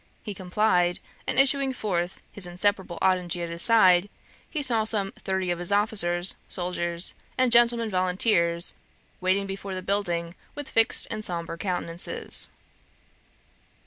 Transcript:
He complied, and issuing forth, his inseparable Ottigny at his side, he saw some thirty of his officers, soldiers, and gentlemen volunteers waiting before the building with fixed and sombre countenances.